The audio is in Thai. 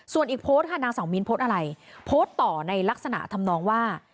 ส่วนอีกโพสต์ค่ะนางสาวมิ้นโพสต์อะไรโพสต์ต่อในลักษณะทำนองว่า